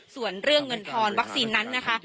ส่วนเรื่องเงินทอนวัคซีนนั้นนะคะ